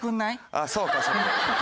ああそうかそうか。